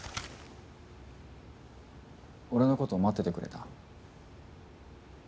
俺のこと待っててくれた？